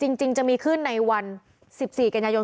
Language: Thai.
จริงจริงจะมีขึ้นในวันสิบสี่กันยายน